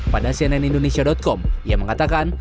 pada cnn indonesia com ia mengatakan